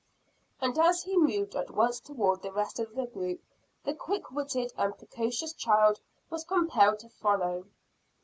And as he moved at once toward the rest of the group, the quick witted and precocious child was compelled to follow.